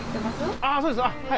ああそうですはい。